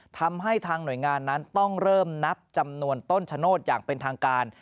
ทำให้ทางหน่วยงานนั้นต้องเริ่มนับจำนวนต้นชะโนธอย่างเป็นทางการ